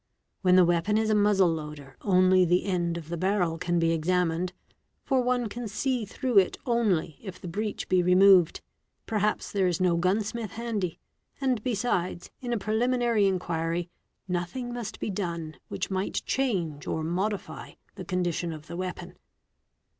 ~ When the weapon is a muzzle loader, only the end of the barrel can be | examined, for one can see through it only if the breech be removed ; perhaps there is no gunsmith handy, and besides in a preliminary inquiry nothing must be done which might change or modify the condition of _ the weapon.